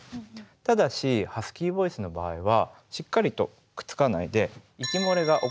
ただしハスキーボイスの場合はしっかりとくっつかないで息漏れが起こってしまいます。